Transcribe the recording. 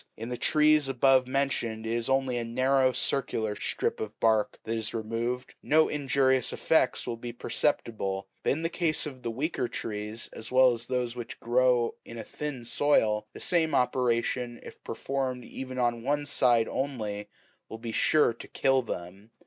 In the trees above mentioned, if it is only a narrow circular strip of bark that is removed, no injurious effects will be perceptible ; but in the case of the weaker trees, as well as those which grow in a thin soil, the same operation, if performed even on one side only, will be sure to kill them.